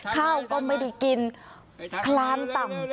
ข้าวก็ไม่ได้กินคลานต่ำ